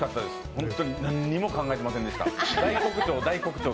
本当に何にも考えていませんでした。